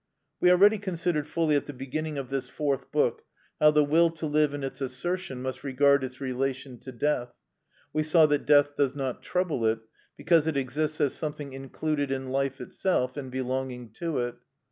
We already considered fully at the beginning of this Fourth Book how the will to live in its assertion must regard its relation to death. We saw that death does not trouble it, because it exists as something included in life itself and belonging to it.